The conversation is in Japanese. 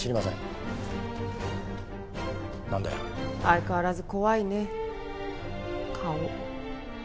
相変わらず怖いね顔。